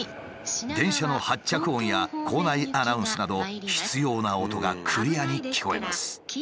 電車の発着音や構内アナウンスなど必要な音がクリアに聞こえます。